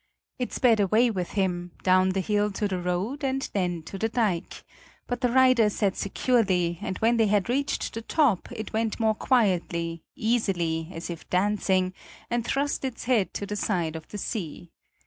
It sped away with him, down the hill to the road and then to the dike; but the rider sat securely, and when they had reached the top, it went more quietly, easily, as if dancing, and thrust its head to the side of the sea.